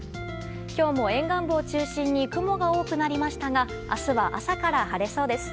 今日も沿岸部を中心に雲が多くなりましたが明日は朝から晴れそうです。